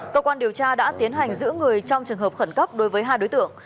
cơ quan điều tra đã tiến hành giữ người trong trường hợp khẩn cấp đối với hai đối tượng